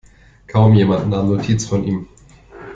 Kaum jemand nahm Notiz von ihm.